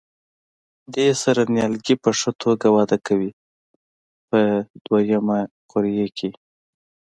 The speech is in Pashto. دې سره نیالګي په ښه توګه وده کوي په دوه یمه قوریه کې.